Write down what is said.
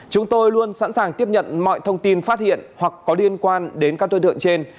chúng tôi luôn sẵn sàng tiếp nhận mọi thông tin phát hiện hoặc có liên quan đến các đối tượng trên